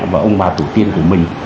và ông bà tổ tiên của mình